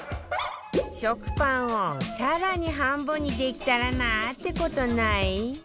食パンを更に半分にできたらなって事ない？